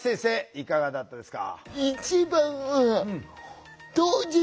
いかがだったですか？